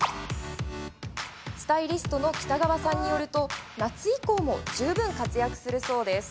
スタイリストの北川さんによると夏以降も十分、活躍するそうです。